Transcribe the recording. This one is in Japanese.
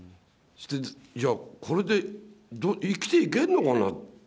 じゃあ、これで生きていけんのかなって。